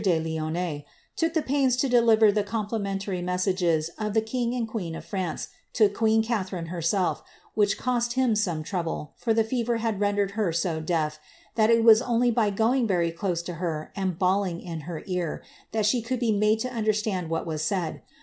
de Lionne, took the pains to deliver the complimentary messages of the king and queen of France to queen Catharine himself, which cost him some trouble, for the fever had rendered her so deaf, that it was only by going very close to her, and bawling in her ear, that she could be made to understand what was said.